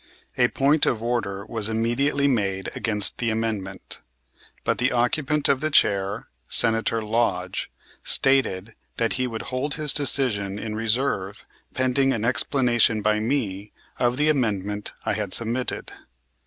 A point of order was immediately made against the amendment, but the occupant of the chair, Senator Lodge, stated that he would hold his decision in reserve pending an explanation by me of the amendment I had submitted.